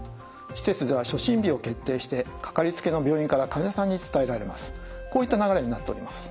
施設では初診日を決定してかかりつけの病院から患者さんに伝えられます。